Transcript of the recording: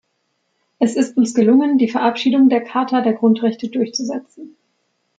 Es ist uns gelungen, die Verabschiedung der Charta der Grundrechte durchzusetzen.